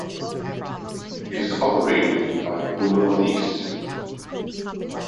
It is operated by Go North East.